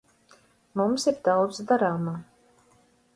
Mums ir daudz darāmā.